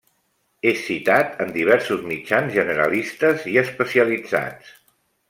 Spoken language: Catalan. És citat en diversos mitjans generalistes i especialitzats.